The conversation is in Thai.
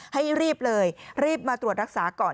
ให้รีบเลยรีบมาตรวจรักษาก่อน